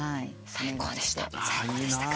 最高でしたか？